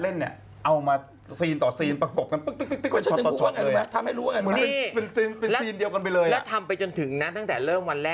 แล้วก็มีประสัมภาษาแอฟทีรักกันจะตายไปจนถึงวันที่แบบว่า